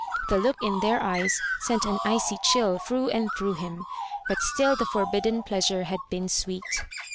The look in their eyes sent an icy chill through and through him, but still the fwbidden pleasure had been sweet.